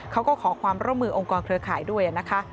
เขาก็ขอความร่วมมือองค์กรเครือข่ายด้วยนะคะ